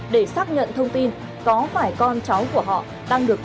để xác nhận thông tin có phải con chó